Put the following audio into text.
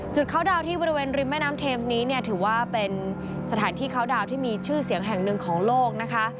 เคาน์ดาวน์ที่บริเวณริมแม่น้ำเทมส์นี้เนี่ยถือว่าเป็นสถานที่เข้าดาวน์ที่มีชื่อเสียงแห่งหนึ่งของโลกนะคะ